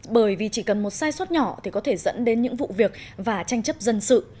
bởi vì chỉ cần một sai suất nhỏ thì có thể dẫn đến những vụ việc và tranh chấp dân sự